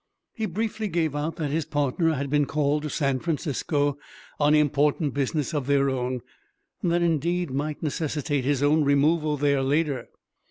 He briefly gave out that his partner had been called to San Francisco on important business of their own, that indeed might necessitate his own removal there later.